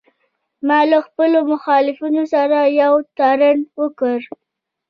ما له خپلو مخالفینو سره یو تړون وکړ